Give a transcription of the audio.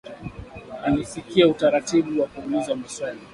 Alifikia utaratibu wa kuulizwa maswali